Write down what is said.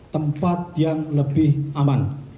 tempat yang lebih aman